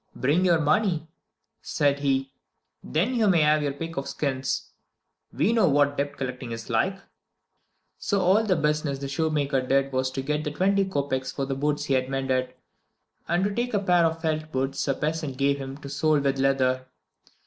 "Bring your money," said he, "then you may have your pick of the skins. We know what debt collecting is like." So all the business the shoemaker did was to get the twenty kopeks for boots he had mended, and to take a pair of felt boots a peasant gave him to sole with leather.